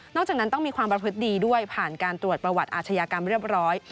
จากนั้นต้องมีความประพฤติดีด้วยผ่านการตรวจประวัติอาชญากรรมเรียบร้อย